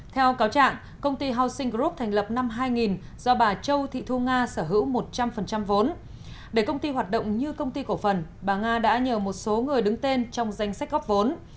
theo cáo trạng công ty housing group thành lập năm hai nghìn do bà châu thị thu nga sở hữu một trăm linh vốn để công ty hoạt động như công ty cổ phần bà nga đã nhờ một số người đứng tên trong danh sách góp vốn